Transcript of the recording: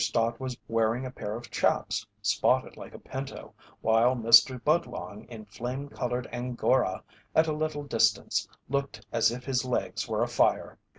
Stott was wearing a pair of "chaps" spotted like a pinto, while Mr. Budlong in flame coloured angora at a little distance looked as if his legs were afire.